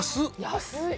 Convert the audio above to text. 「安い！」